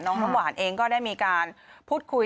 น้ำหวานเองก็ได้มีการพูดคุย